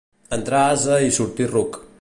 Entrar ase i sortir ruc.